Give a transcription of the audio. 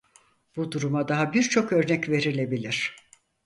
Bu duruma daha birçok örnek verilebilir.